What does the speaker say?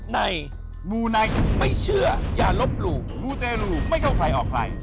ในหมูไนไม่เชื่ออย่ารบหลู่รู้ในหลู่ไม่เข้าใครออกใคร